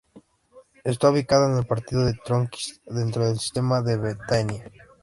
Está ubicada en el partido de Tornquist, dentro del sistema de Ventania.